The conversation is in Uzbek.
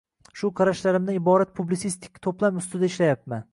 Shu qarashlarimdan iborat publitsistik to’plam ustida ishlayapman.